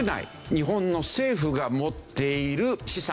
日本の政府が持っている資産。